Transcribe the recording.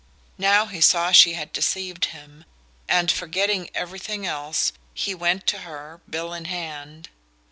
Now he saw she had deceived him, and, forgetting everything else, he went to her, bill in hand.